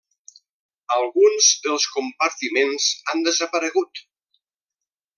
Alguns dels compartiments han desaparegut.